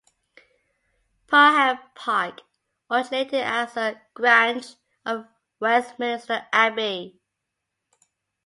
Parham Park originated as a grange of Westminster Abbey.